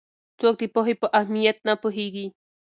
څوک د پوهې په اهمیت نه پوهېږي؟